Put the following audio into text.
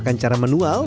dan seperti dibilang